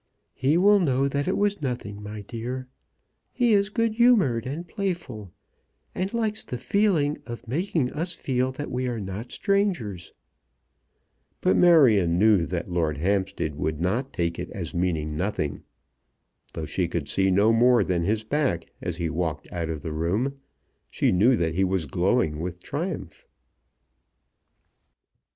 "He will know that it was nothing, my dear. He is good humoured and playful, and likes the feeling of making us feel that we are not strangers." But Marion knew that Lord Hampstead would not take it as meaning nothing. Though she could see no more than his back as he walked out of the room, she knew that he was glowing with triumph.